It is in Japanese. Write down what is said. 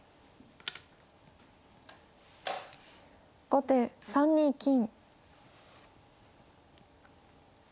後手３二金。